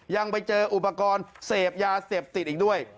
ยังไปเจออุปกรณ์เสพยาเสพติดอีกด้วย